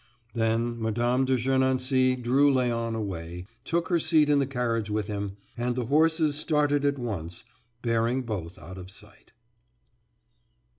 Then Mme. de Gernancé drew Léon away, took her seat in the carriage with him, and the horses started at once, bearing both out of sight.